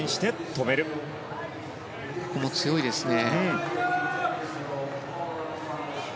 ここも強いですね。